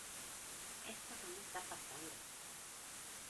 ¡ Esto no me esta pasando!